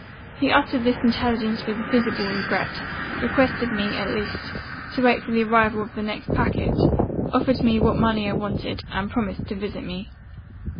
He uttered this intelligence with visible regret; requested me, at least, to wait for the arrival of the next packet; offered me what money I wanted, and promised to visit me.